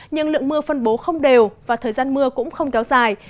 nhưng lượng mưa phân bố không đều và thời gian mưa cũng không kéo dài